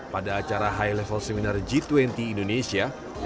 pada acara high level seminar g dua puluh indonesia